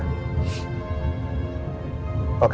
terima kasih pak